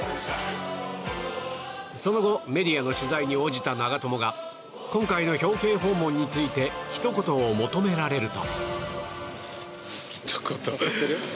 その後、メディアの取材に応じた長友が今回の表敬訪問についてひと言を求められると。